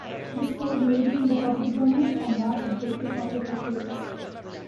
This code may be in the public domain and not subject to copyright claims.